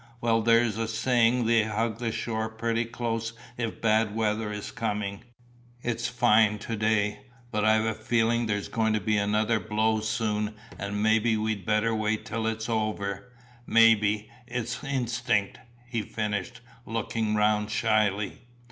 "Well, there's a saying they hug the shore pretty close if bad weather is coming. It's fine to day, but I've a feeling there's going to be another blow soon and maybe we'd better wait till it's over maybe it's instinc'," he finished, looking round shyly.